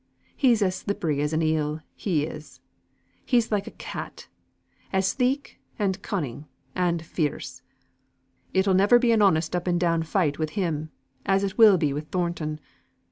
He's as slippery as an eel, he is. He's like a cat, as sleek, and cunning, and fierce. It'll never be an honest up and down fight wi' him, as it will be wi' Thornton.